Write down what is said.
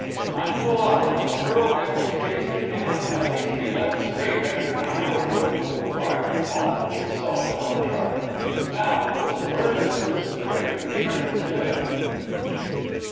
"Nine full hours. A pearl necklace case that cannot at least be left straight after nine hours' work will require a column to itself in our chart. Now, Louis, where does this Direct Insurance live?"